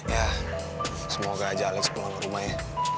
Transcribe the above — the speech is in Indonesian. ya semoga aja alex pulang ke rumah ya